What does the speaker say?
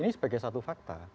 ini sebagai satu fakta